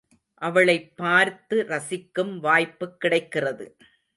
அவளைப் பார்த்து ரசிக்கும் வாய்ப்புக் கிடைக்கிறது.